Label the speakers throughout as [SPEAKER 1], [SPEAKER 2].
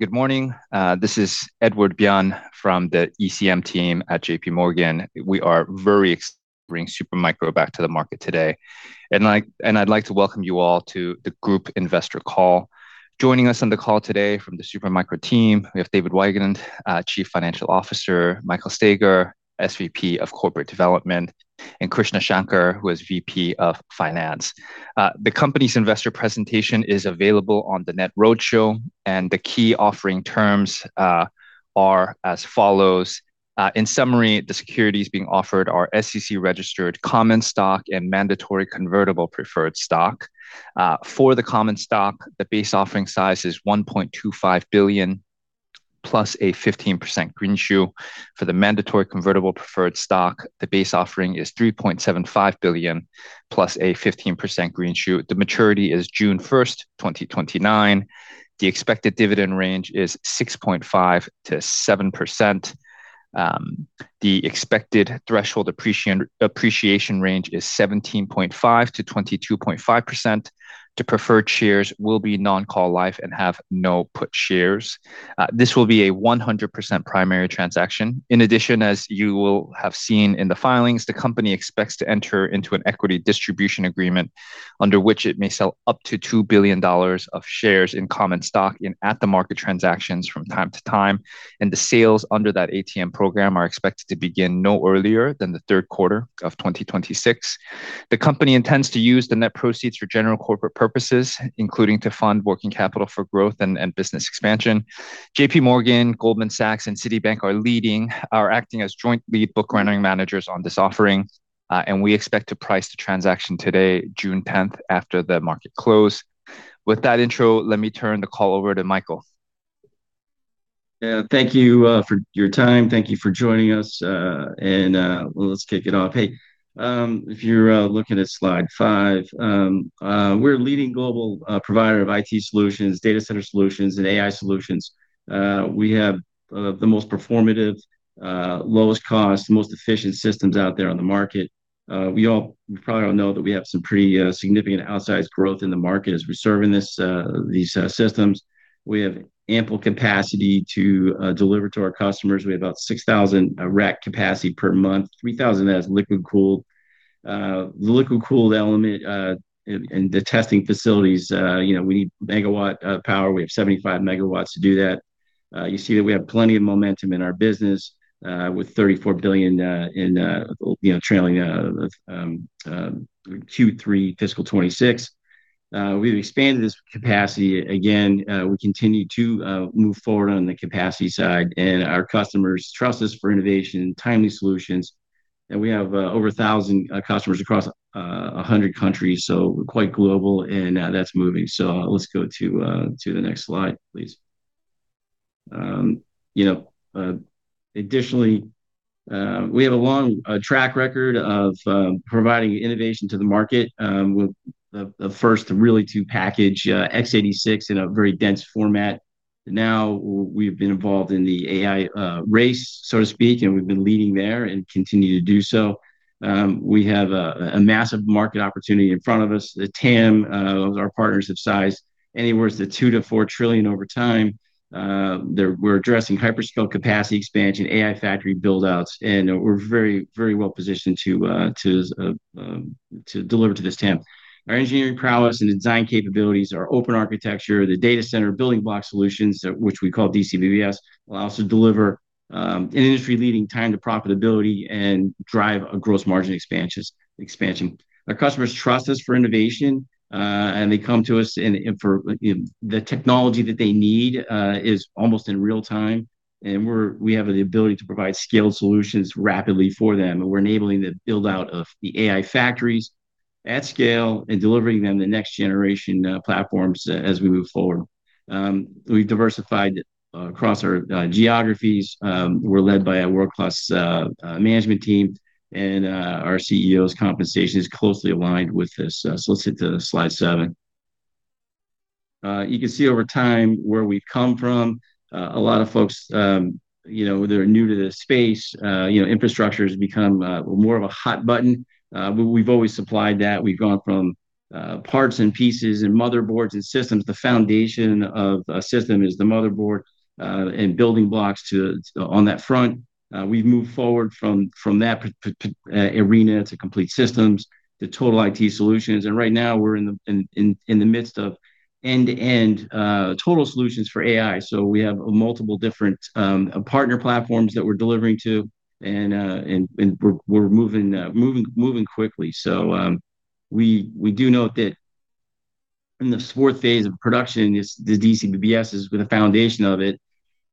[SPEAKER 1] Good morning. This is Edward Byun from the ECM team at JPMorgan. We are very excited to bring Super Micro back to the market today. I'd like to welcome you all to the group investor call. Joining us on the call today from the Super Micro team, we have David Weigand, Chief Financial Officer, Michael Staiger, SVP of Corporate Development, and Krishna Shankar, who is VP of Finance. The company's investor presentation is available on the NetRoadshow, the key offering terms are as follows. In summary, the securities being offered are SEC-registered common stock and mandatory convertible preferred stock. For the common stock, the base offering size is $1.25 billion + a 15% green shoe. For the mandatory convertible preferred stock, the base offering is $3.75 billion + a 15% green shoe. The maturity is June 1st, 2029. The expected dividend range is 6.5%-7%. The expected threshold appreciation range is 17.5%-22.5%. The preferred shares will be non-call life and have no put shares. This will be a 100% primary transaction. In addition, as you will have seen in the filings, the company expects to enter into an equity distribution agreement under which it may sell up to $2 billion of shares in common stock in at-the-market transactions from time to time, the sales under that ATM program are expected to begin no earlier than the third quarter of 2026. The company intends to use the net proceeds for general corporate purposes, including to fund working capital for growth and business expansion. JPMorgan, Goldman Sachs, and Citibank are acting as joint lead book-running managers on this offering. We expect to price the transaction today, June 10th, after the market close. With that intro, let me turn the call over to Michael.
[SPEAKER 2] Yeah. Thank you for your time. Thank you for joining us. Well, let's kick it off. Hey, if you're looking at slide five, we're a leading global provider of IT solutions, data center solutions, and AI solutions. We have the most performative, lowest cost, most efficient systems out there on the market. You probably all know that we have some pretty significant outsized growth in the market as we're serving these systems. We have ample capacity to deliver to our customers. We have about 6,000 rack capacity per month, 3,000 as liquid cooled. The liquid cooled element and the testing facilities, we need megawatt power. We have 75 MW to do that. You see that we have plenty of momentum in our business, with $34 billion trailing Q3 fiscal 2026. We've expanded this capacity again. We continue to move forward on the capacity side, and our customers trust us for innovation and timely solutions. We have over 1,000 customers across 100 countries. We're quite global, and that's moving. Let's go to the next slide, please. Additionally, we have a long track record of providing innovation to the market, with the first really two package, x86, in a very dense format. We've been involved in the AI race, so to speak, and we've been leading there and continue to do so. We have a massive market opportunity in front of us. The TAM our partners have sized anywhere as $2 trillion to $4 trillion over time. We're addressing hyperscale capacity expansion, AI factory build-outs, and we're very well-positioned to deliver to this TAM. Our engineering prowess and design capabilities, our open architecture, the Data Center Building Block Solutions, which we call DCBBS, allow us to deliver an industry-leading time to profitability and drive a gross margin expansion. Our customers trust us for innovation, and they come to us for the technology that they need, is almost in real time. We have the ability to provide scaled solutions rapidly for them. We're enabling the build-out of the AI factories at scale and delivering them the next generation platforms as we move forward. We've diversified across our geographies. We're led by a world-class management team, and our CEO's compensation is closely aligned with this. Let's hit to slide seven. You can see over time where we've come from. A lot of folks that are new to this space, infrastructure's become more of a hot button. We've always supplied that. We've gone from parts and pieces and motherboards and systems. The foundation of a system is the motherboard, and building blocks on that front. We've moved forward from that arena to complete systems to total IT solutions. Right now, we're in the midst of end-to-end total solutions for AI. We have multiple different partner platforms that we're delivering to and we're moving quickly. We do note that in this fourth phase of production is the DCBBS has been the foundation of it.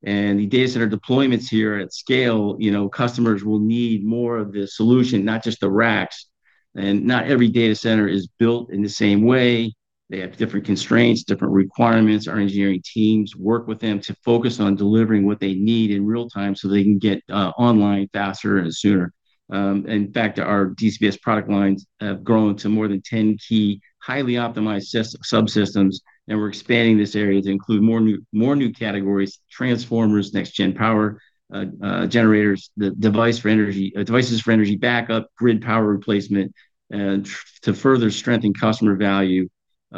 [SPEAKER 2] The data center deployments here at scale, customers will need more of the solution, not just the racks. Not every data center is built in the same way. They have different constraints, different requirements. Our engineering teams work with them to focus on delivering what they need in real time so they can get online faster and sooner. In fact, our DCBBS product lines have grown to more than 10 key highly optimized subsystems, and we're expanding this area to include more new categories, transformers, next gen power generators, devices for energy backup, grid power replacement, to further strengthen customer value,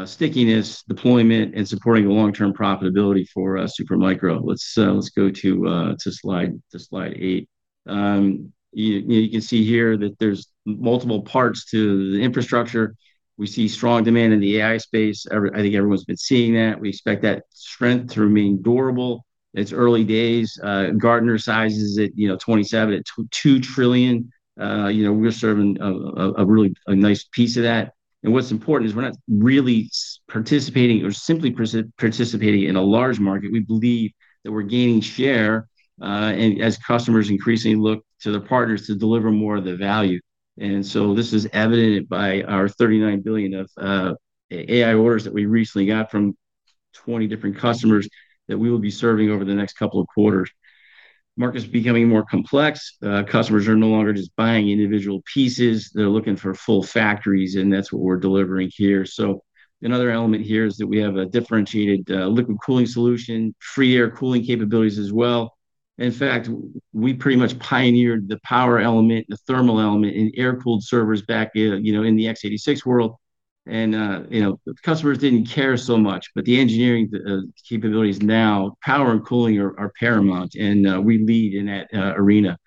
[SPEAKER 2] stickiness, deployment, and supporting the long-term profitability for Super Micro. Let's go to slide eight. You can see here that there's multiple parts to the infrastructure. We see strong demand in the AI space. I think everyone's been seeing that. We expect that strength to remain durable. It's early days. Gartner sizes it, you know [2027] at $2 trillion. What's important is we're not really participating or simply participating in a large market. We believe that we're gaining share, as customers increasingly look to their partners to deliver more of the value. This is evident by our $39 billion of AI orders that we recently got from 20 different customers that we will be serving over the next couple of quarters. Market's becoming more complex. Customers are no longer just buying individual pieces. They're looking for full factories, and that's what we're delivering here. Another element here is that we have a differentiated liquid cooling solution, free air cooling capabilities as well. In fact, we pretty much pioneered the power element, the thermal element in air-cooled servers back in the x86 world. Customers didn't care so much, but the engineering capabilities now, power and cooling are paramount, and we lead in that arena.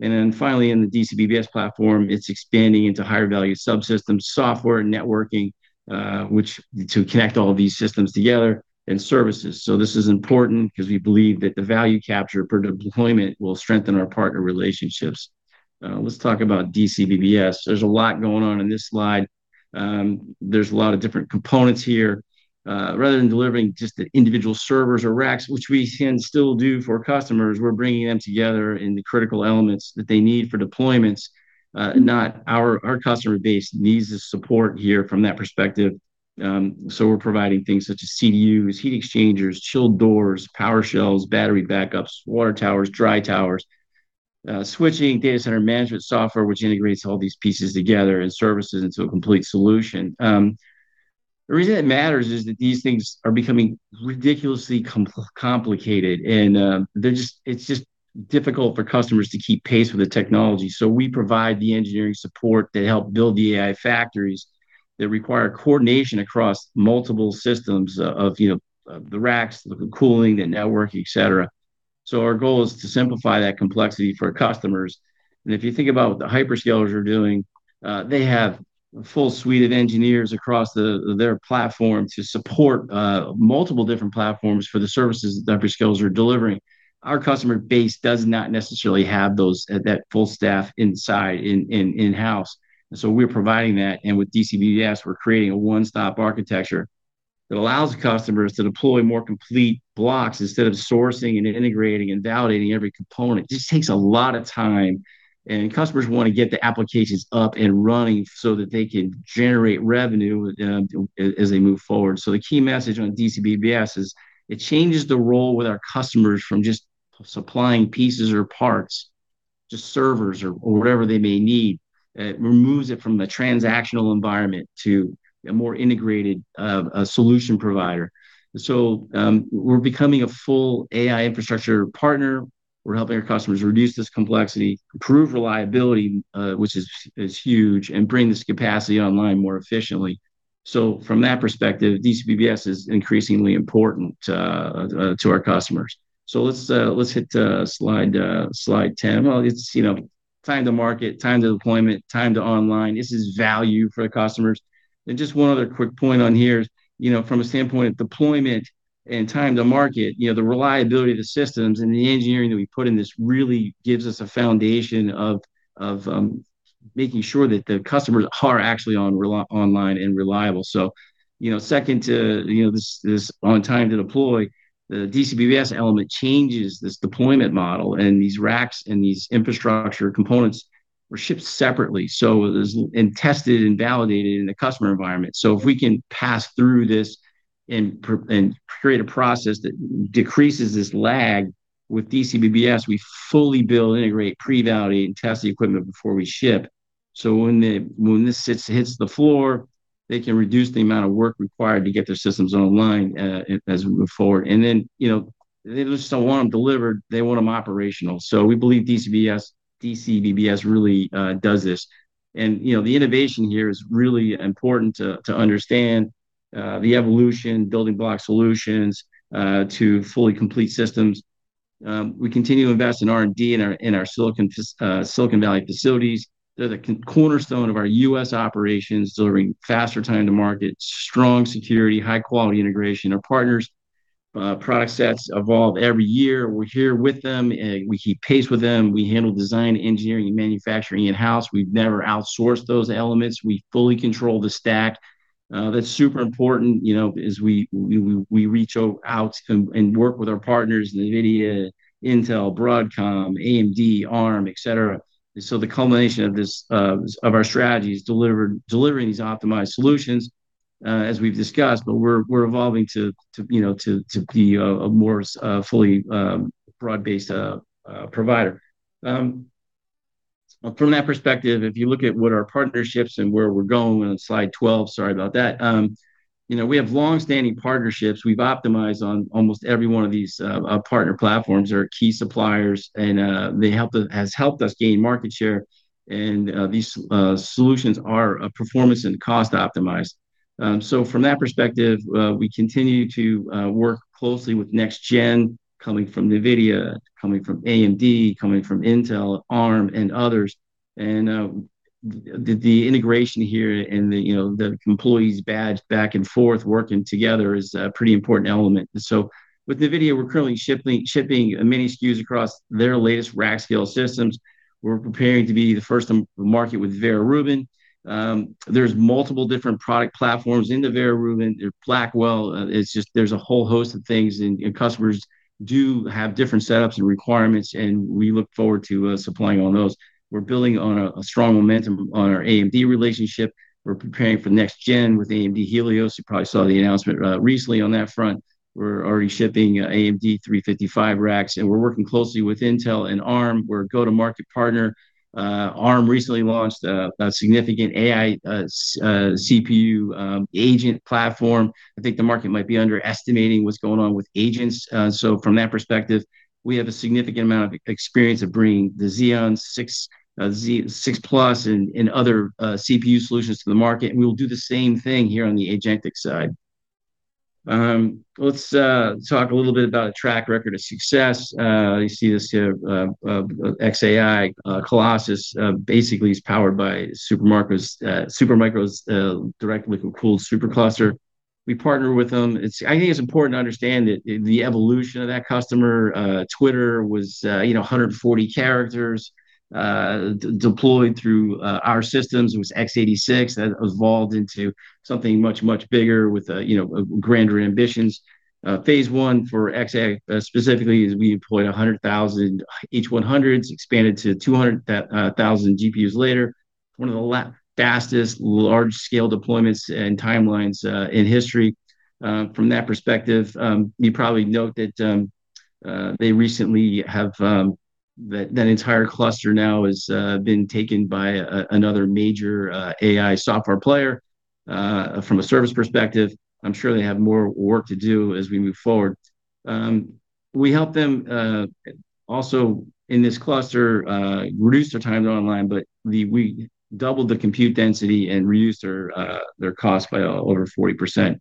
[SPEAKER 2] Finally, in the DCBBS platform, it's expanding into higher value subsystems, software, networking, which to connect all these systems together, and services. This is important because we believe that the value capture per deployment will strengthen our partner relationships. Let's talk about DCBBS. There's a lot going on in this slide. There's a lot of different components here. Rather than delivering just the individual servers or racks, which we can still do for customers, we're bringing them together in the critical elements that they need for deployments. Our customer base needs the support here from that perspective. We're providing things such as CDUs, heat exchangers, chill door, power shelves, battery backups, water towers, dry towers, switching data center management software, which integrates all these pieces together and services into a complete solution. The reason it matters is that these things are becoming ridiculously complicated, and it's just difficult for customers to keep pace with the technology. We provide the engineering support that help build the AI factories that require coordination across multiple systems of the racks, liquid cooling, the network, et cetera. Our goal is to simplify that complexity for customers. If you think about what the hyperscalers are doing, they have a full suite of engineers across their platform to support multiple different platforms for the services that hyperscalers are delivering. Our customer base does not necessarily have that full staff inside, in-house. We're providing that. With DCBBS, we're creating a one-stop architecture that allows customers to deploy more complete blocks instead of sourcing and integrating and validating every component. Just takes a lot of time, and customers want to get the applications up and running so that they can generate revenue as they move forward. The key message on DCBBS is it changes the role with our customers from just supplying pieces or parts, just servers or whatever they may need. It removes it from the transactional environment to a more integrated solution provider. We're becoming a full AI infrastructure partner. We're helping our customers reduce this complexity, improve reliability, which is huge, and bring this capacity online more efficiently. From that perspective, DCBBS is increasingly important to our customers. Let's hit slide 10. Well, it's time to market, time to deployment, time to online. This is value for the customers. Just one other quick point on here, from a standpoint of deployment and time to market, the reliability of the systems and the engineering that we put in this really gives us a foundation of making sure that the customers are actually online and reliable. Second to this on time to deploy, the DCBBS element changes this deployment model, and these racks and these infrastructure components were shipped separately and tested and validated in the customer environment. If we can pass through this and create a process that decreases this lag with DCBBS, we fully build, integrate, pre-validate, and test the equipment before we ship. When this hits the floor, they can reduce the amount of work required to get their systems online as we move forward. Then they just don't want them delivered, they want them operational. We believe DCBBS really does this. The innovation here is really important to understand the evolution, building block solutions, to fully complete systems. We continue to invest in R&D in our Silicon Valley facilities. They're the cornerstone of our U.S. operations, delivering faster time to market, strong security, high-quality integration. Our partners' product sets evolve every year. We're here with them, and we keep pace with them. We handle design, engineering, and manufacturing in-house. We've never outsourced those elements. We fully control the stack. That's super important as we reach out and work with our partners, NVIDIA, Intel, Broadcom, AMD, Arm, et cetera. The culmination of our strategy is delivering these optimized solutions, as we've discussed, but we're evolving to be a more fully broad-based provider. From that perspective, if you look at what our partnerships and where we're going on slide 12, sorry about that. We have longstanding partnerships we've optimized on almost every one of these partner platforms. They're our key suppliers, and they has helped us gain market share, and these solutions are performance and cost optimized. From that perspective, we continue to work closely with next gen, coming from NVIDIA, coming from AMD, coming from Intel, Arm, and others. The integration here and the employees badge back and forth working together is a pretty important element. With NVIDIA, we're currently shipping many SKUs across their latest rack scale systems. We're preparing to be the first on the market with Vera Rubin. There's multiple different product platforms in the Vera Rubin, Blackwell. There's a whole host of things, and customers do have different setups and requirements, and we look forward to supplying all those. We're building on a strong momentum on our AMD relationship. We're preparing for next gen with AMD Helios. You probably saw the announcement recently on that front. We're already shipping AMD 355 racks, and we're working closely with Intel and Arm. We're a go-to-market partner. Arm recently launched a significant AI CPU agent platform. I think the market might be underestimating what's going on with agents. From that perspective, we have a significant amount of experience of bringing the Xeon 6+ and other CPU solutions to the market, and we will do the same thing here on the agentic side. Let's talk a little bit about a track record of success. You see this here, xAI, Colossus, basically is powered by Super Micro's directly cooled supercluster. We partner with them. I think it's important to understand the evolution of that customer. Twitter was 140 characters deployed through our systems. It was x86 that evolved into something much, much bigger with grander ambitions. Phase I for xAI specifically is we deployed 100,000 H100s, expanded to 200,000 GPUs later, one of the fastest large-scale deployments and timelines in history. From that perspective, you probably note that entire cluster now has been taken by another major AI software player. From a service perspective, I'm sure they have more work to do as we move forward. We help them, also in this cluster, reduce their time to online, but we doubled the compute density and reduced their cost by over 40%.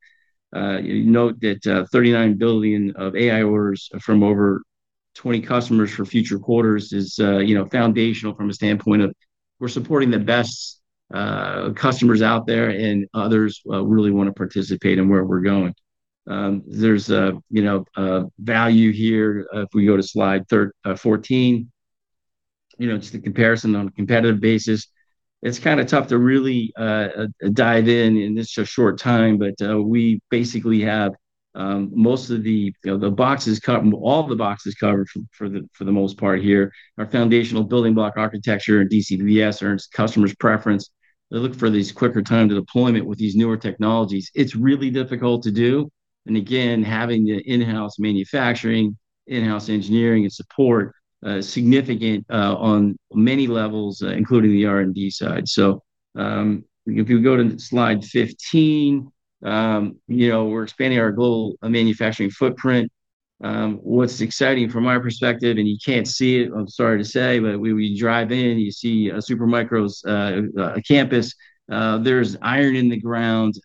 [SPEAKER 2] You note that $39 billion of AI orders from over 20 customers for future quarters is foundational from a standpoint of we're supporting the best customers out there, and others really want to participate in where we're going. There's value here. If we go to slide 14, just a comparison on a competitive basis. It's kind of tough to really dive in in this short time, but we basically have all the boxes covered for the most part here. Our foundational building block architecture and DCBBS earns customers preference. They look for these quicker time to deployment with these newer technologies. It's really difficult to do. Again, having the in-house manufacturing, in-house engineering, and support, significant on many levels, including the R&D side. If you go to slide 15, we're expanding our global manufacturing footprint. What's exciting from my perspective, and you can't see it, I'm sorry to say, but when we drive in, you see Super Micro's campus. There's iron in the ground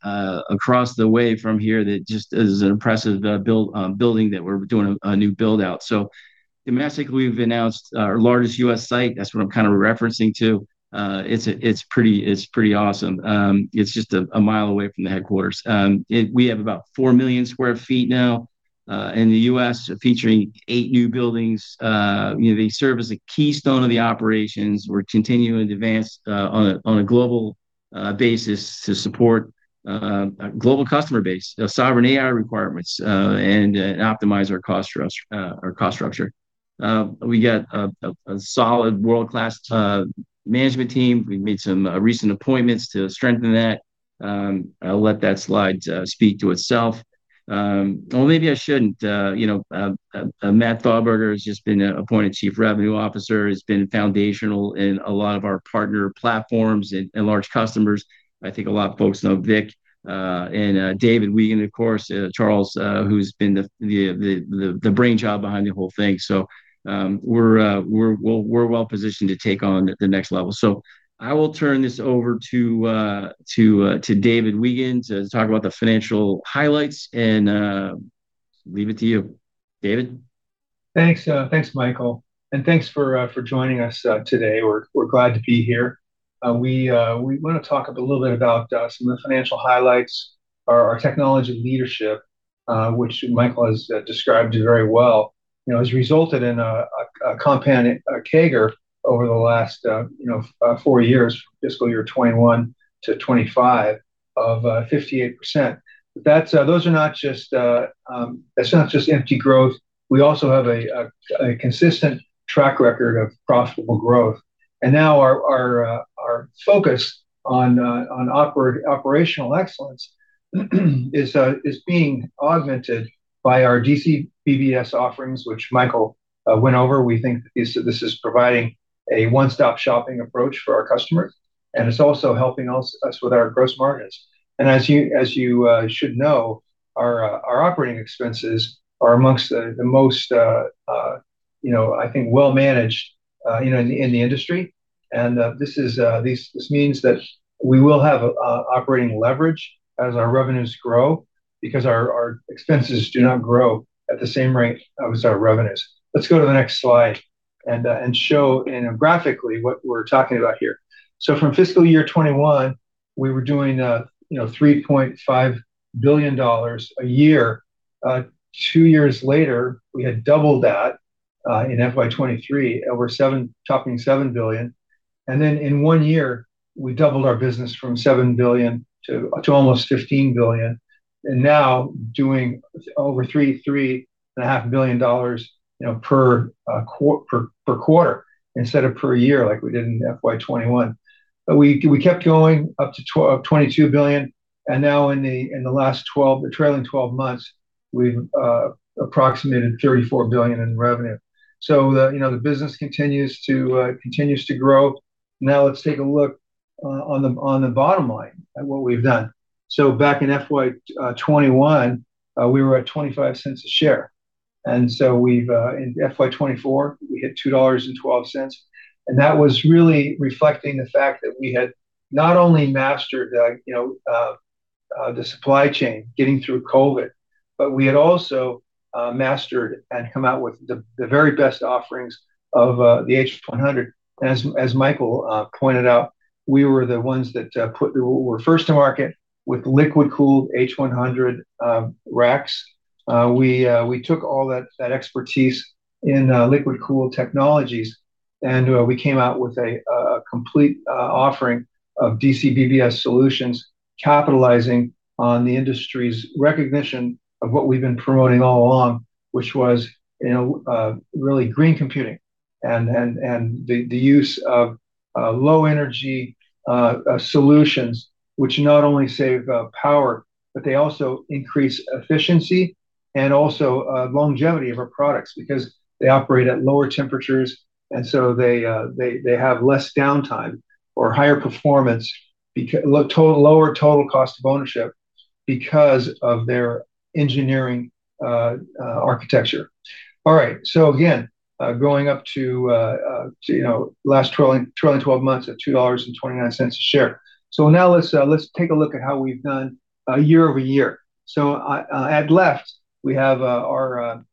[SPEAKER 2] across the way from here that just is an impressive building that we're doing a new build-out. Domestically, we've announced our largest U.S. site. That's what I'm kind of referencing to. It's pretty awesome. It's just a mile away from the headquarters. We have about 4 million sq ft now in the U.S., featuring eight new buildings. They serve as a keystone of the operations. We're continuing to advance on a global basis to support a global customer base, sovereign AI requirements, and optimize our cost structure. We got a solid world-class management team. We've made some recent appointments to strengthen that. I'll let that slide speak to itself. Well, maybe I shouldn't. Matt Thauberger has just been appointed Chief Revenue Officer, has been foundational in a lot of our partner platforms and large customers. I think a lot of folks know Vik, and David Weigand, of course, Charles, who's been the brainchild behind the whole thing. We're well-positioned to take on the next level. I will turn this over to David Weigand to talk about the financial highlights, and leave it to you, David.
[SPEAKER 3] Thanks, Michael. Thanks for joining us today. We're glad to be here. We want to talk a little bit about some of the financial highlights. Our technology leadership, which Michael has described very well, has resulted in a compounded CAGR over the last four years, fiscal year 2021 to 2025, of 58%. That's not just empty growth. We also have a consistent track record of profitable growth. Now our focus on operational excellence is being augmented by our DCBBS offerings, which Michael went over. We think that this is providing a one-stop shopping approach for our customers, and it's also helping us with our gross margins. As you should know, our operating expenses are amongst the most, I think, well managed in the industry. This means that we will have operating leverage as our revenues grow, because our expenses do not grow at the same rate as our revenues. Let's go to the next slide and show graphically what we're talking about here. From fiscal year 2021, we were doing $3.5 billion a year. Two years later, we had doubled that in FY 2023, topping $7 billion. Then in one year, we doubled our business from $7 billion to almost $15 billion. Now doing over $3.5 billion per quarter instead of per year like we did in FY 2021. We kept going up to $22 billion. Now in the trailing 12 months, we've approximated $34 billion in revenue. The business continues to grow. Now let's take a look on the bottom line at what we've done. Back in FY 2021, we were at $0.25 a share. In FY 2024, we hit $2.12. That was really reflecting the fact that we had not only mastered the supply chain, getting through COVID, but we had also mastered and come out with the very best offerings of the H100. As Michael pointed out, we were the ones that were first to market with liquid-cooled H100 racks. We took all that expertise in liquid-cooled technologies, and we came out with a complete offering of DCBBS solutions, capitalizing on the industry's recognition of what we've been promoting all along, which was really green computing and the use of low-energy solutions, which not only save power, but they also increase efficiency and also longevity of our products because they operate at lower temperatures and so they have less downtime or higher performance, lower total cost of ownership because of their engineering architecture. All right. Again, going up to last trailing 12 months at $2.29 a share. Now let's take a look at how we've done year-over-year. At left, we have our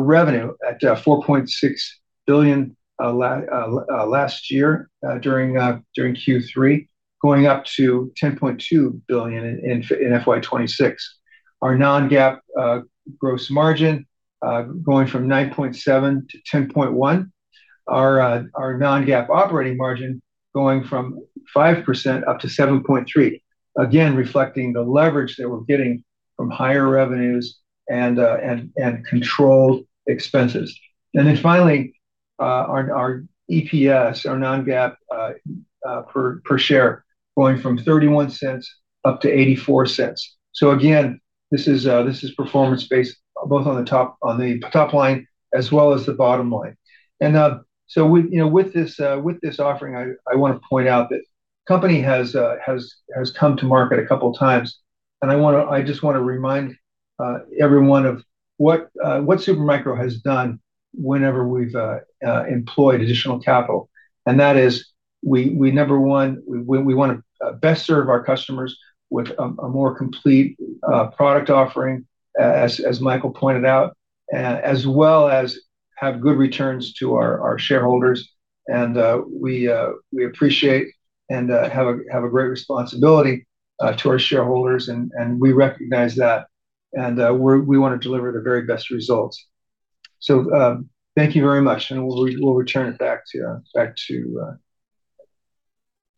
[SPEAKER 3] revenue at $4.6 billion last year, during Q3, going up to $10.2 billion in FY 2026. Our non-GAAP gross margin going from 9.7% to 10.1%. Our non-GAAP operating margin going from 5% up to 7.3%, again, reflecting the leverage that we're getting from higher revenues and controlled expenses. Finally, our EPS, our non-GAAP per share, going from $0.31 up to $0.84. Again, this is performance-based, both on the top line as well as the bottom line. With this offering, I want to point out that the company has come to market a couple times, I just want to remind everyone of what Super Micro has done whenever we've employed additional capital. That is, we want to best serve our customers with a more complete product offering, as Michael pointed out, as well as have good returns to our shareholders. We appreciate and have a great responsibility to our shareholders, we recognize that, and we want to deliver the very best results. Thank you very much, we'll return it back to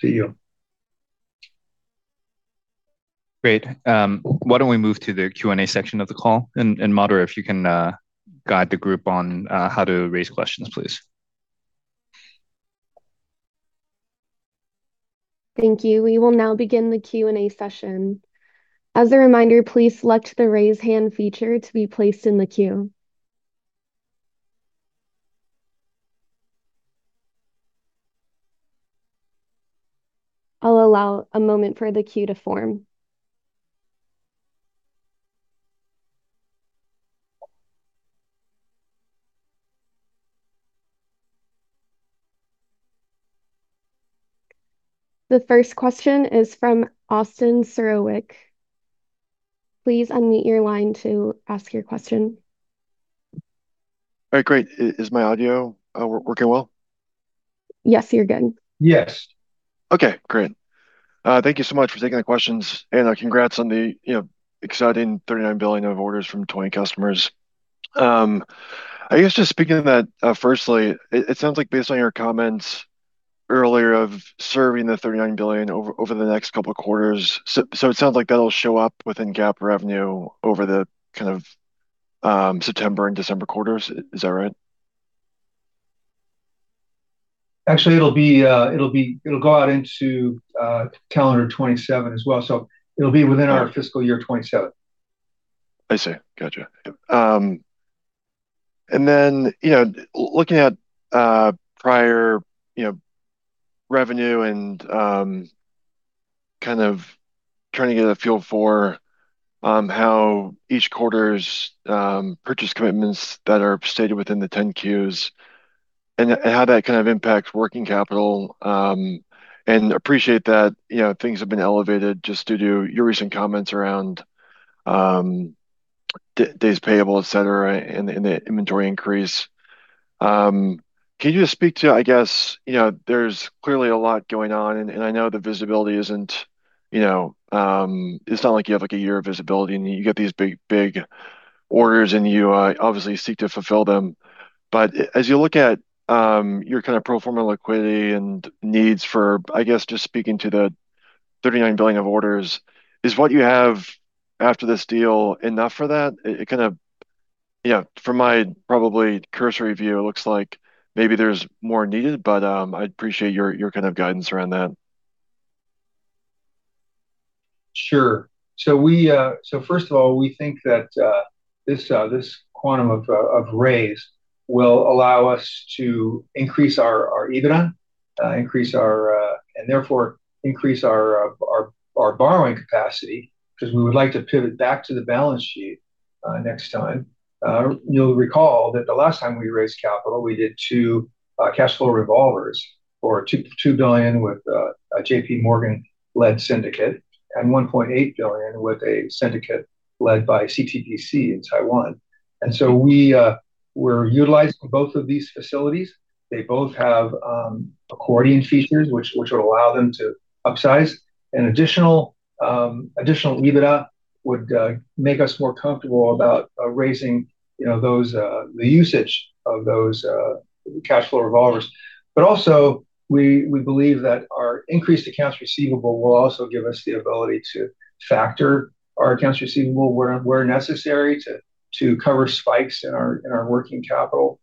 [SPEAKER 3] you.
[SPEAKER 1] Great. Why don't we move to the Q&A section of the call? Moderator, if you can guide the group on how to raise questions, please.
[SPEAKER 4] Thank you. We will now begin the Q&A session. As a reminder, please select the Raise Hand feature to be placed in the queue. I'll allow a moment for the queue to form. The first question is from Austin Czerwiec. Please unmute your line to ask your question.
[SPEAKER 5] All right, great. Is my audio working well?
[SPEAKER 4] Yes, you're good.
[SPEAKER 1] Yes.
[SPEAKER 5] Okay, great. Thank you so much for taking the questions. Congrats on the exciting $39 billion of orders from 20 customers. I guess just speaking of that, firstly, it sounds like based on your comments earlier of serving the $39 billion over the next couple of quarters. It sounds like that'll show up within GAAP revenue over the kind of September and December quarters. Is that right?
[SPEAKER 3] Actually, it'll go out into calendar 2027 as well. It'll be within our fiscal year 2027.
[SPEAKER 5] I see. Got you. Looking at prior revenue and kind of trying to get a feel for how each quarter's purchase commitments that are stated within the 10-Qs and how that kind of impacts working capital. Appreciate that things have been elevated just due to your recent comments around days payable, et cetera, and the inventory increase. Can you just speak to, I guess, there's clearly a lot going on, and I know the visibility isn't, it's not like you have a year of visibility, and you get these big orders, and you obviously seek to fulfill them. As you look at your kind of pro forma liquidity and needs for, I guess, just speaking to the $39 billion of orders, is what you have after this deal enough for that? From my probably cursory view, it looks like maybe there's more needed, but I'd appreciate your kind of guidance around that.
[SPEAKER 3] Sure. First of all, we think that this quantum of raise will allow us to increase our EBITDA, and therefore increase our borrowing capacity, because we would like to pivot back to the balance sheet next time. You'll recall that the last time we raised capital, we did two cash flow revolvers for $2 billion with a JPMorgan-led syndicate and $1.8 billion with a syndicate led by CTBC in Taiwan. We're utilizing both of these facilities. They both have accordion features, which would allow them to upsize. An additional EBITDA would make us more comfortable about raising the usage of those cash flow revolvers. Also, we believe that our increased accounts receivable will also give us the ability to factor our accounts receivable where necessary to cover spikes in our working capital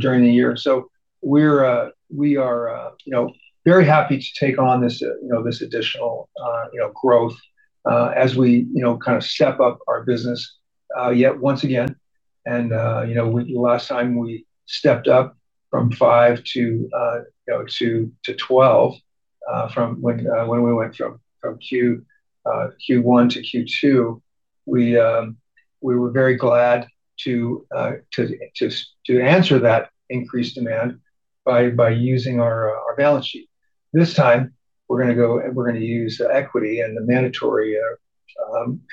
[SPEAKER 3] during the year. We are very happy to take on this additional growth as we kind of step up our business yet once again. Last time we stepped up from 5-12, when we went from Q1 to Q2, we were very glad to answer that increased demand by using our balance sheet. This time, we're going to use the equity and the mandatory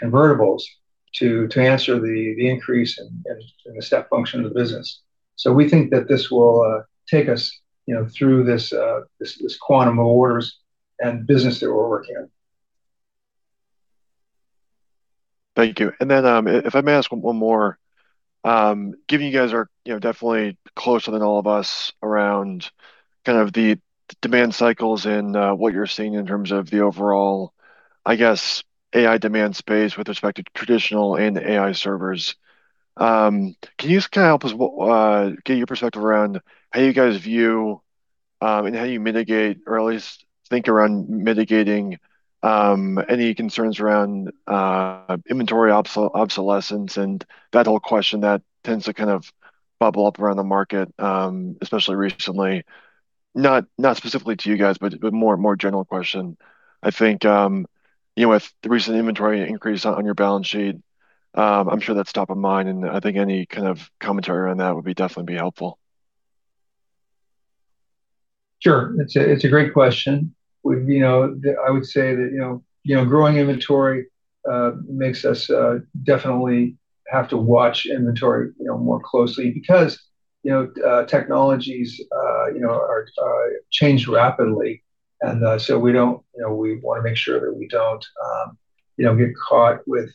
[SPEAKER 3] convertibles to answer the increase and the step function of the business. We think that this will take us through this quantum of orders and business that we're working on.
[SPEAKER 5] Thank you. If I may ask one more. Given you guys are definitely closer than all of us around kind of the demand cycles and what you're seeing in terms of the overall, I guess, AI demand space with respect to traditional and AI servers, can you just kind of help us get your perspective around how you guys view and how you mitigate or at least think around mitigating any concerns around inventory obsolescence and that whole question that tends to kind of bubble up around the market, especially recently? Not specifically to you guys, but more general question. I think with the recent inventory increase on your balance sheet, I'm sure that's top of mind, and I think any kind of commentary around that would definitely be helpful.
[SPEAKER 3] Sure. It's a great question. I would say that growing inventory makes us definitely have to watch inventory more closely because technologies change rapidly, and so we want to make sure that we don't get caught with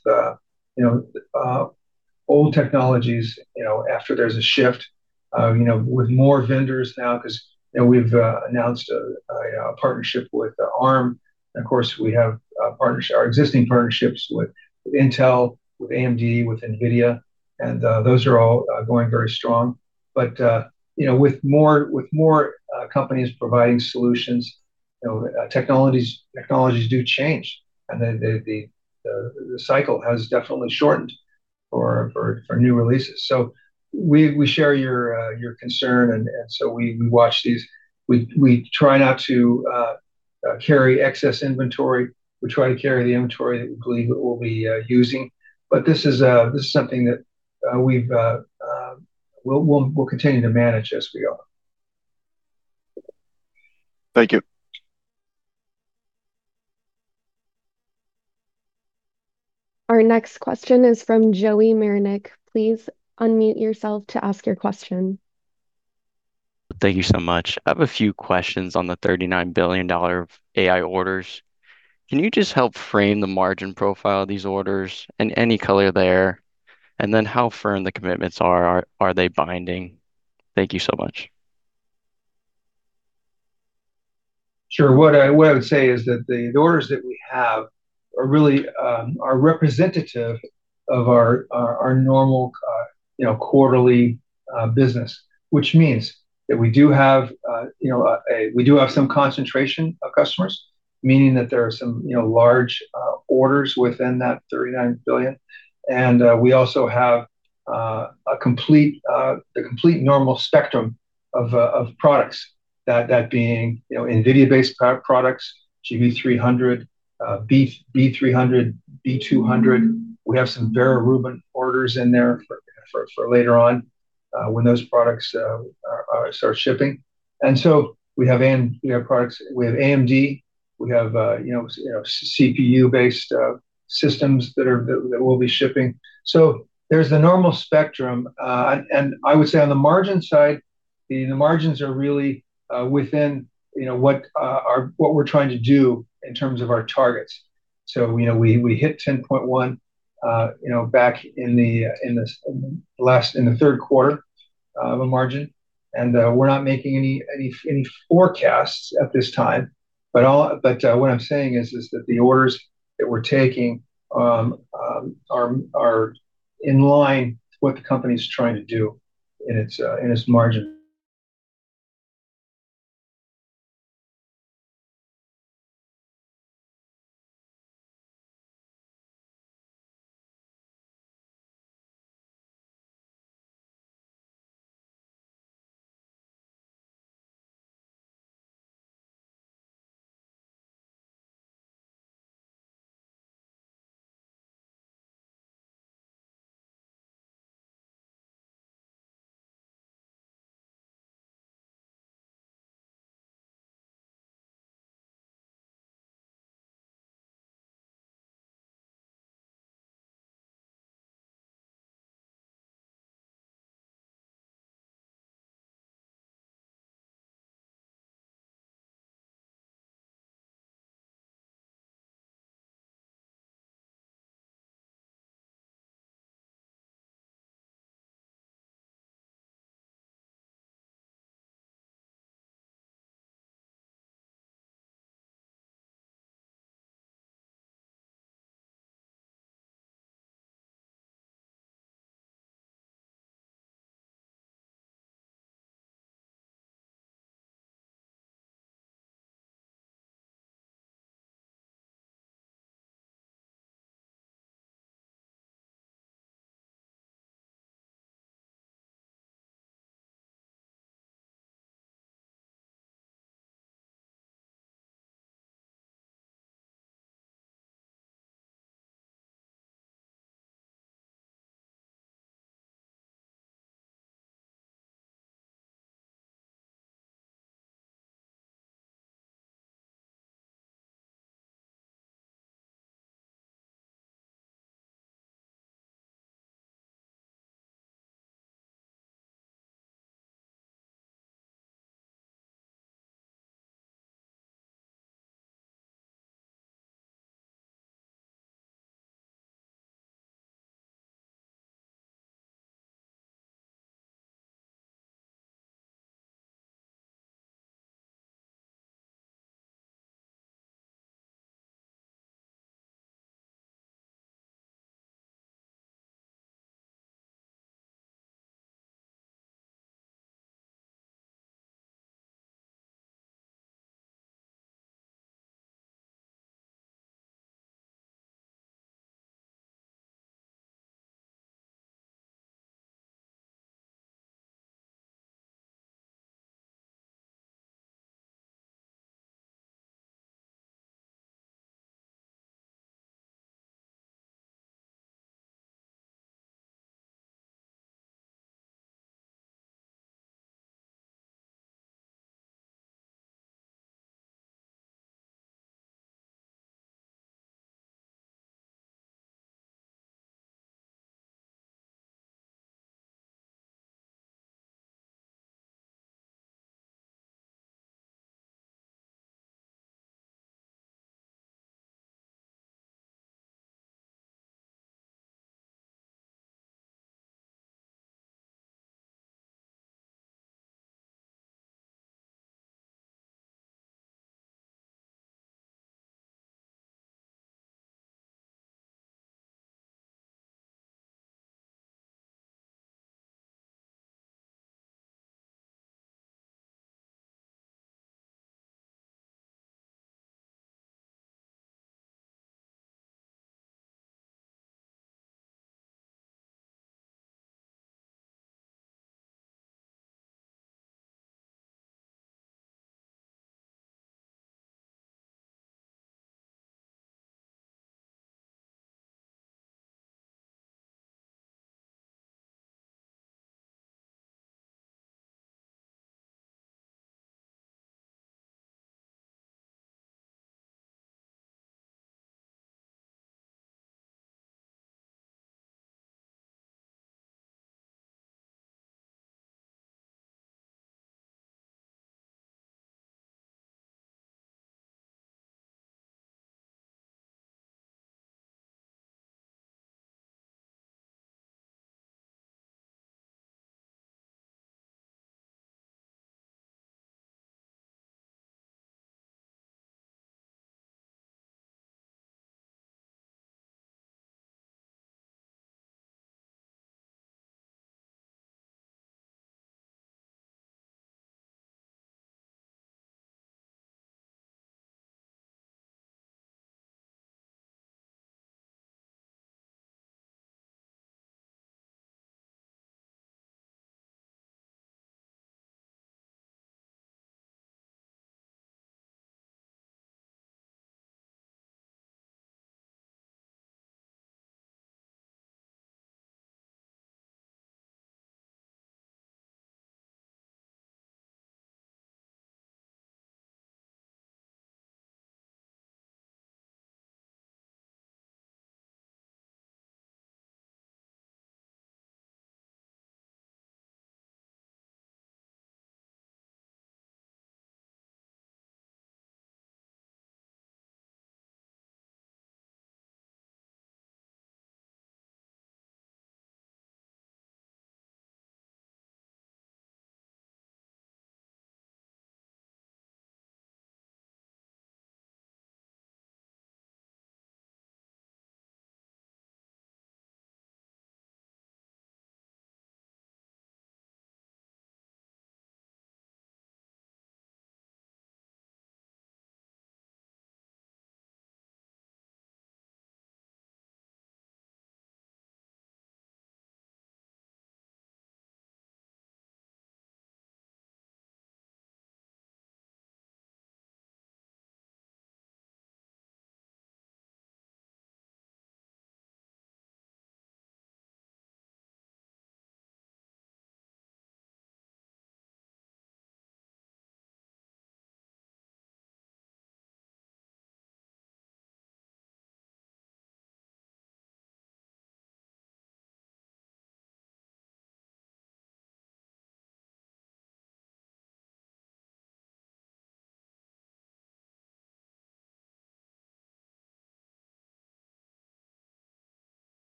[SPEAKER 3] old technologies after there's a shift. With more vendors now, because we've announced a partnership with Arm, and of course, we have our existing partnerships with Intel, with AMD, with NVIDIA, and those are all going very strong. With more companies providing solutions, technologies do change, and the cycle has definitely shortened for new releases. We share your concern, and so we watch these. We try not to carry excess inventory. We try to carry the inventory that we believe we'll be using. This is something that we'll continue to manage as we are.
[SPEAKER 5] Thank you.
[SPEAKER 4] Our next question is from Joey Marincek. Please unmute yourself to ask your question.
[SPEAKER 6] Thank you so much. I have a few questions on the $39 billion AI orders. Can you just help frame the margin profile of these orders and any color there, how firm the commitments are. Are they binding? Thank you so much.
[SPEAKER 3] Sure. What I would say is that the orders that we have are really representative of our normal quarterly business, which means that we do have some concentration of customers, meaning that there are some large orders within that $39 billion. We also have the complete normal spectrum of products, that being NVIDIA-based products, GB300, B300, B200. We have some Vera Rubin orders in there for later on when those products start shipping. We have AMD, we have CPU-based systems that will be shipping. There's the normal spectrum, I would say on the margin side, the margins are really within what we're trying to do in terms of our targets. We hit 10.1% back in the third quarter of a margin, we're not making any forecasts at this time. What I'm saying is that the orders that we're taking are in line with what the company's trying to do in its margin.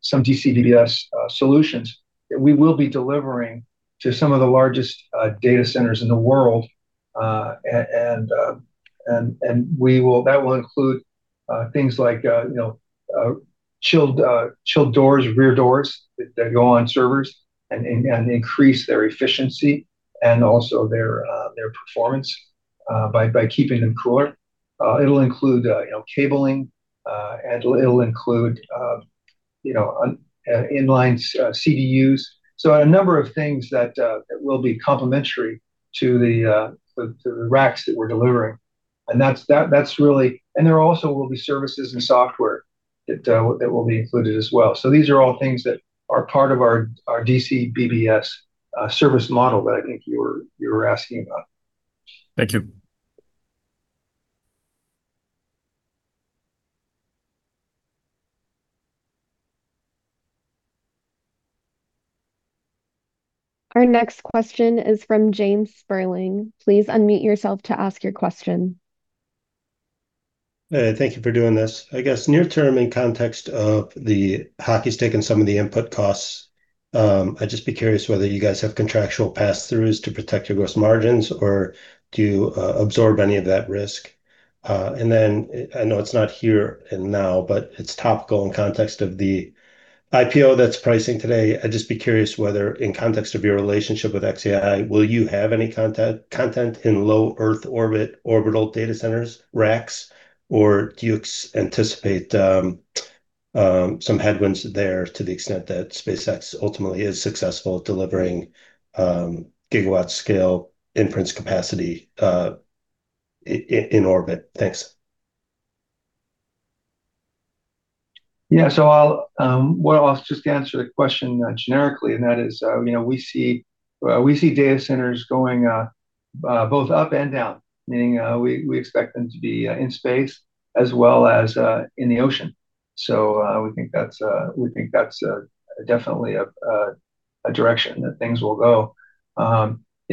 [SPEAKER 3] Some DCBBS solutions that we will be delivering to some of the largest data centers in the world. That will include things like chilled doors, rear doors that go on servers and increase their efficiency and also their performance by keeping them cooler. It'll include cabling, it'll include inline CDUs. A number of things that will be complementary to the racks that we're delivering. There also will be services and software that will be included as well. These are all things that are part of our DCBBS service model that I think you were asking about.
[SPEAKER 6] Thank you.
[SPEAKER 4] Our next question is from James Sperling. Please unmute yourself to ask your question.
[SPEAKER 7] Thank you for doing this. I guess near term, in context of the hockey stick and some of the input costs, I'd just be curious whether you guys have contractual passthroughs to protect your gross margins or do you absorb any of that risk. I know it's not here and now, but it's topical in context of the IPO that's pricing today. I'd just be curious whether in context of your relationship with xAI, will you have any content in low earth orbit orbital data centers racks, or do you anticipate some headwinds there to the extent that SpaceX ultimately is successful delivering gigawatt scale inference capacity in orbit? Thanks.
[SPEAKER 3] Yeah. I'll just answer the question generically, and that is we see data centers going both up and down, meaning we expect them to be in space as well as in the ocean. We think that's definitely a direction that things will go.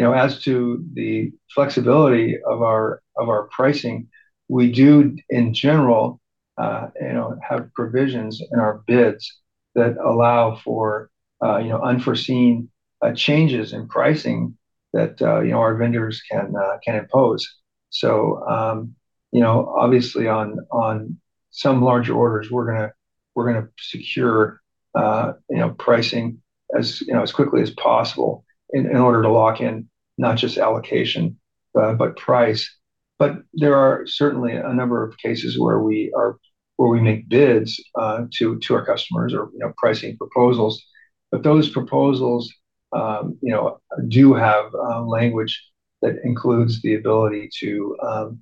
[SPEAKER 3] As to the flexibility of our pricing, we do in general have provisions in our bids that allow for unforeseen changes in pricing that our vendors can impose. Obviously on some large orders, we're going to secure pricing as quickly as possible in order to lock in not just allocation but price. There are certainly a number of cases where we make bids to our customers or pricing proposals. Those proposals do have language that includes the ability to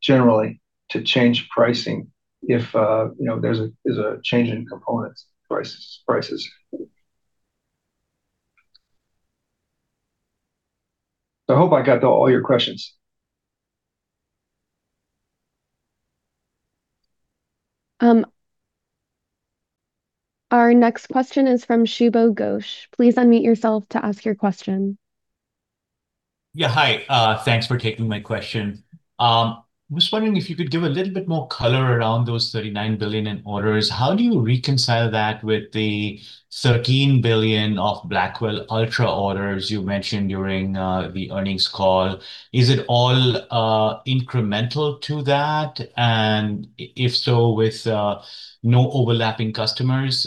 [SPEAKER 3] generally change pricing if there's a change in components prices. I hope I got to all your questions.
[SPEAKER 4] Our next question is from Shubho Ghosh. Please unmute yourself to ask your question.
[SPEAKER 8] Yeah. Hi, thanks for taking my question. I'm just wondering if you could give a little bit more color around those $39 billion in orders. How do you reconcile that with the $13 billion of Blackwell Ultra orders you mentioned during the earnings call? Is it all incremental to that, if so, with no overlapping customers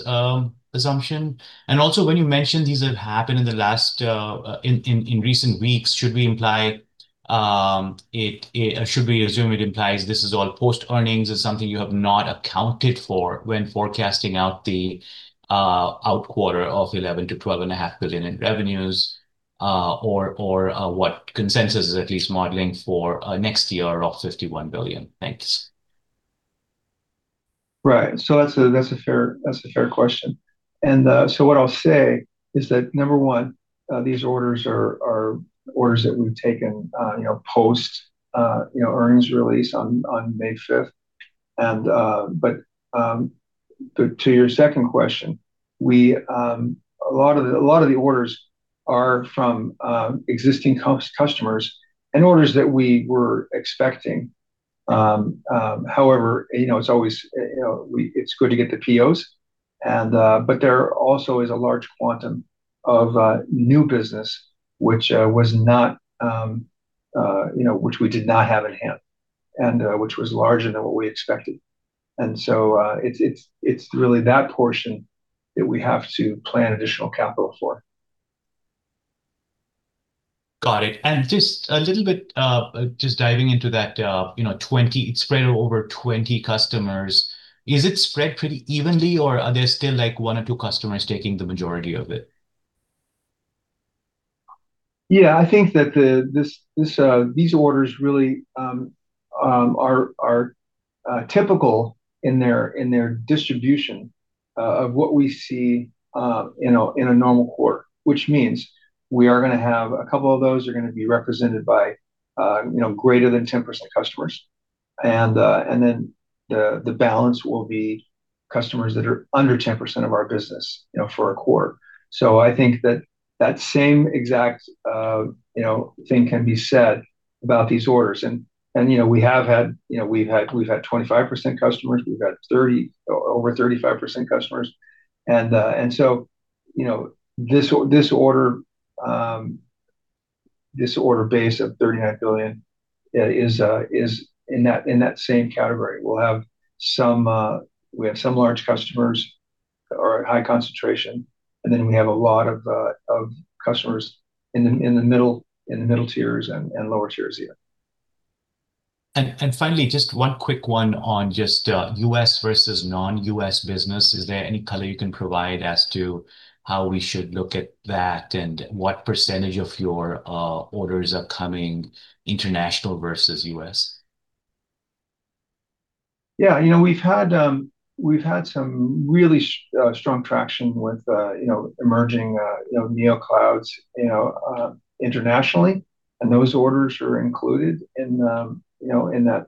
[SPEAKER 8] assumption? Also when you mentioned these have happened in recent weeks, should we assume it implies this is all post-earnings or something you have not accounted for when forecasting out the outquarter of $11 billion-$12.5 billion in revenues? Or what consensus is at least modeling for next year of $51 billion. Thanks.
[SPEAKER 3] Right. That's a fair question. What I'll say is that number one, these orders are orders that we've taken post earnings release on May 5th. To your second question, a lot of the orders are from existing customers and orders that we were expecting. However, it's good to get the POs. There also is a large quantum of new business which we did not have in hand, which was larger than what we expected. It's really that portion that we have to plan additional capital for.
[SPEAKER 8] Got it. Just a little bit, just diving into that, it's spread over 20 customers. Is it spread pretty evenly, or are there still one or two customers taking the majority of it?
[SPEAKER 3] Yeah, I think that these orders really are typical in their distribution of what we see in a normal quarter, which means we are going to have a couple of those are going to be represented by greater than 10% customers. The balance will be customers that are under 10% of our business for a quarter. I think that that same exact thing can be said about these orders. We've had 25% customers, we've had over 35% customers, this order base of $39 billion is in that same category. We have some large customers or a high concentration, we have a lot of customers in the middle tiers and lower tiers here.
[SPEAKER 8] Finally, just one quick one on just U.S. versus non-U.S. business. Is there any color you can provide as to how we should look at that and what percentage of your orders are coming international versus U.S.?
[SPEAKER 3] We've had some really strong traction with emerging neoclouds internationally, and those orders are included in that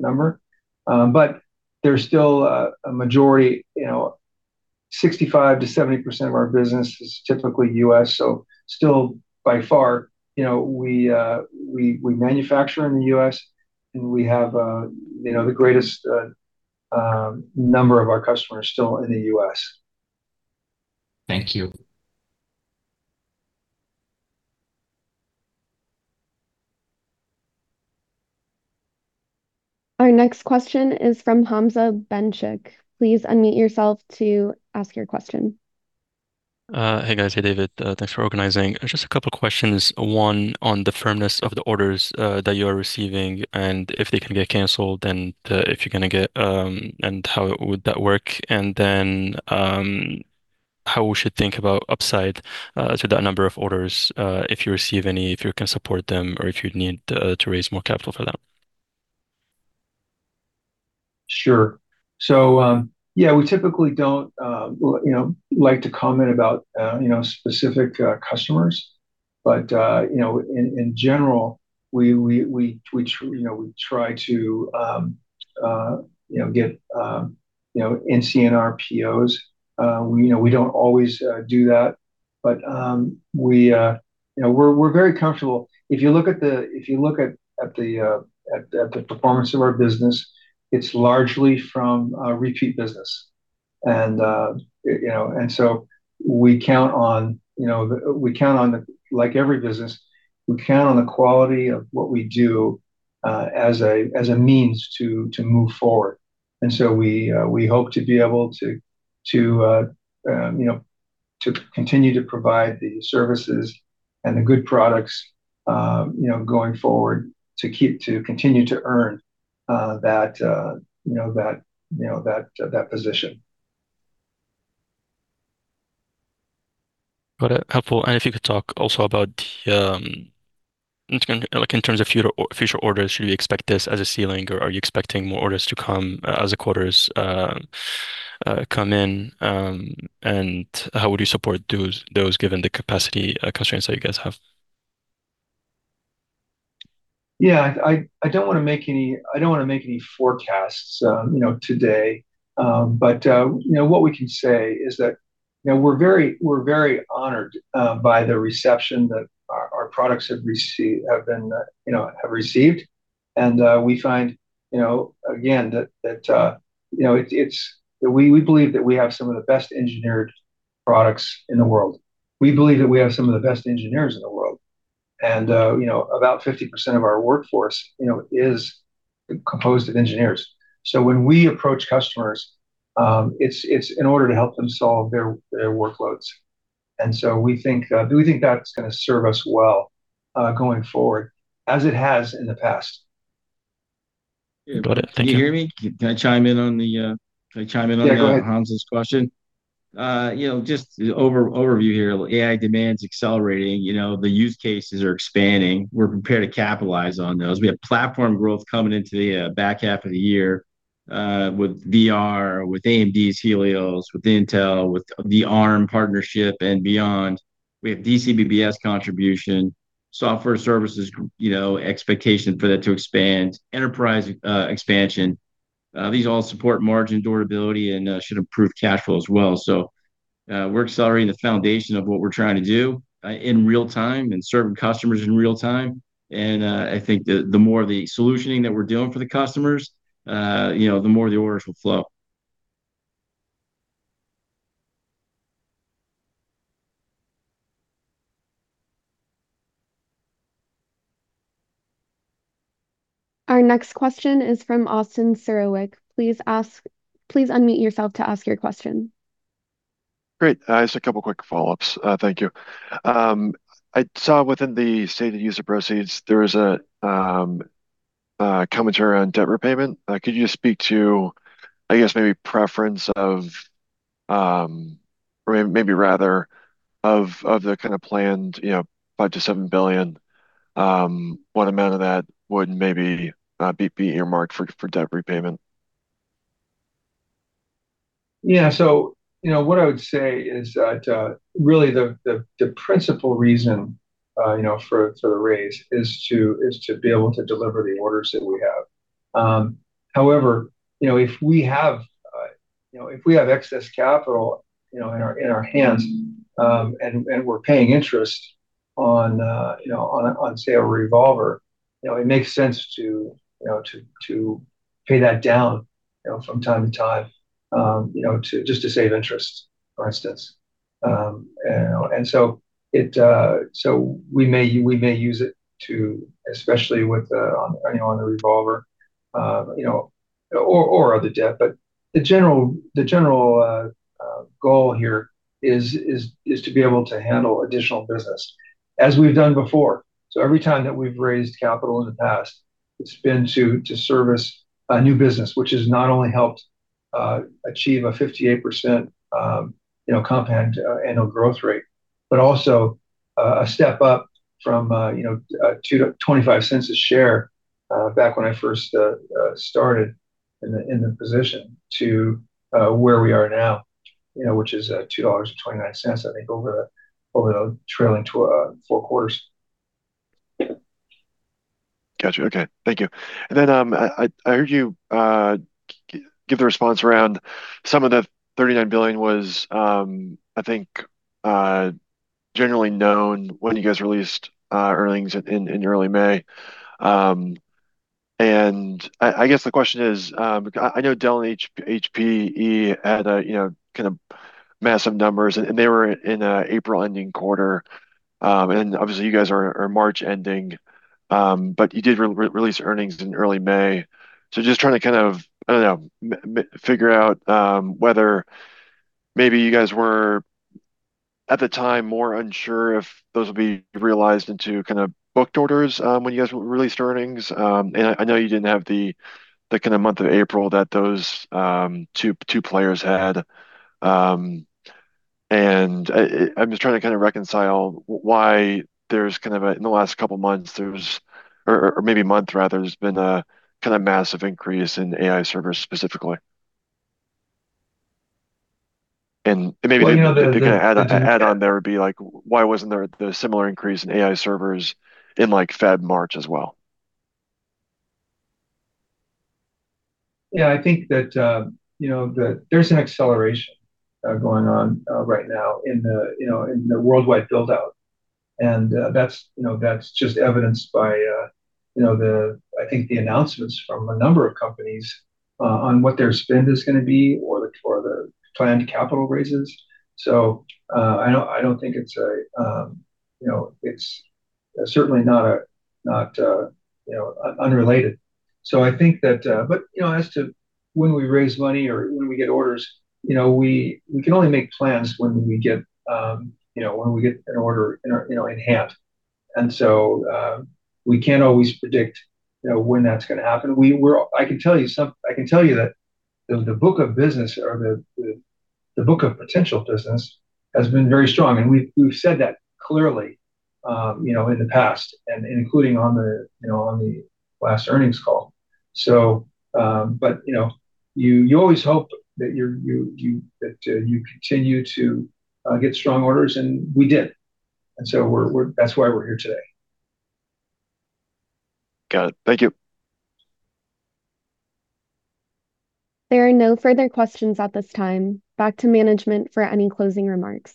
[SPEAKER 3] number. There's still a majority, 65%-70% of our business is typically U.S., still by far we manufacture in the U.S. and we have the greatest number of our customers still in the U.S.
[SPEAKER 8] Thank you.
[SPEAKER 4] Our next question is from Hamza Bencik. Please unmute yourself to ask your question.
[SPEAKER 9] Hey, guys. Hey, David. Thanks for organizing. Just a couple questions. One on the firmness of the orders that you are receiving, and if they can get canceled, and how would that work? How we should think about upside to that number of orders, if you receive any, if you can support them, or if you'd need to raise more capital for that.
[SPEAKER 3] Sure. Yeah, we typically don't like to comment about specific customers. In general we try to get NCNR POs. We don't always do that. We're very comfortable. If you look at the performance of our business, it's largely from repeat business. Like every business, we count on the quality of what we do as a means to move forward. We hope to be able to continue to provide the services and the good products going forward to continue to earn that position.
[SPEAKER 9] Got it. Helpful. If you could talk also about In terms of future orders, should we expect this as a ceiling, or are you expecting more orders to come as the quarter come in, and how would you support those given the capacity constraints that you guys have?
[SPEAKER 3] Yeah. I don't want to make any forecasts today. What we can say is that, we're very honored by the reception that our products have received. We find, again, that we believe that we have some of the best engineered products in the world. We believe that we have some of the best engineers in the world. About 50% of our workforce is composed of engineers. When we approach customers, it's in order to help them solve their workloads. We think that's going to serve us well, going forward, as it has in the past.
[SPEAKER 9] Got it. Thank you.
[SPEAKER 2] Can you hear me? Can I chime in on the--
[SPEAKER 3] Yeah, go ahead.
[SPEAKER 2] on Hamza's question? Just overview here. AI demand's accelerating. The use cases are expanding. We're prepared to capitalize on those. We have platform growth coming into the back half of the year, with VR, with AMD's Helios, with Intel, with the ARM partnership and beyond. We have DCBBS contribution, software services expectation for that to expand, enterprise expansion. These all support margin durability and should improve cash flow as well. We're accelerating the foundation of what we're trying to do in real time and serving customers in real time. I think the more the solutioning that we're doing for the customers, the more the orders will flow.
[SPEAKER 4] Our next question is from Austin Czerwiec. Please unmute yourself to ask your question.
[SPEAKER 5] Great. Just a couple quick follow-ups. Thank you. I saw within the stated use of proceeds, there was a commentary on debt repayment. Could you just speak to, I guess maybe preference of, or maybe rather, of the kind of planned $5 billion-$7 billion, what amount of that would maybe be earmarked for debt repayment?
[SPEAKER 3] Yeah. What I would say is that, really the principal reason for the raise is to be able to deliver the orders that we have. However, if we have excess capital in our hands, and we're paying interest on, say, a revolver, it makes sense to pay that down from time to time, just to save interest, for instance. We may use it to, especially with on the revolver, or other debt. The general goal here is to be able to handle additional business, as we've done before. Every time that we've raised capital in the past, it's been to service a new business, which has not only helped achieve a 58% compound annual growth rate, but also a step up from $0.25 a share, back when I first started in the position to where we are now, which is $2.29, I think, over the trailing four quarters.
[SPEAKER 5] Got you. Okay. Thank you. I heard you give the response around some of the $39 billion was, I think, generally known when you guys released earnings in early May. I guess the question is, I know Dell and HPE had massive numbers, and they were in a April ending quarter. Obviously you guys are March ending. You did release earnings in early May. Just trying to kind of, I don't know, figure out, whether maybe you guys were, at the time, more unsure if those will be realized into kind of booked orders, when you guys released earnings. I know you didn't have the kind of month of April that those two players had. I'm just trying to kind of reconcile why there's kind of a, in the last couple of months, or maybe month rather, there's been a massive increase in AI servers specifically.
[SPEAKER 3] Well, you know.
[SPEAKER 5] The add-on there would be why wasn't there the similar increase in AI servers in like Feb, March as well?
[SPEAKER 3] Yeah, I think that there's an acceleration going on right now in the worldwide build-out, and that's just evidenced by I think the announcements from a number of companies, on what their spend is going to be or the planned capital raises. I don't think it's certainly not unrelated. As to when we raise money or when we get orders, we can only make plans when we get an order in hand. We can't always predict when that's going to happen. I can tell you that the book of business or the book of potential business has been very strong, and we've said that clearly in the past and including on the last earnings call. You always hope that you continue to get strong orders, and we did. That's why we're here today.
[SPEAKER 5] Got it. Thank you.
[SPEAKER 4] There are no further questions at this time. Back to management for any closing remarks.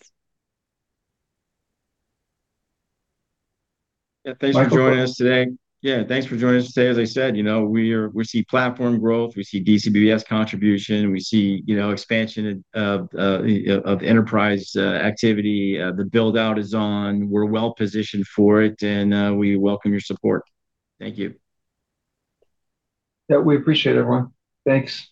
[SPEAKER 2] Yeah, thanks for joining us today. As I said, we see platform growth. We see DCBBS contribution. We see expansion of enterprise activity. The build-out is on. We're well-positioned for it. We welcome your support. Thank you.
[SPEAKER 3] Yeah, we appreciate it, everyone. Thanks.